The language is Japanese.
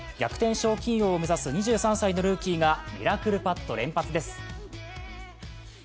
賞金王を目指す２３歳のルーキーがミラクルパット連発です。